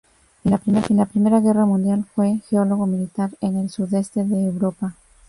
En la primera guerra mundial fue geólogo militar, en el sudeste de Europa.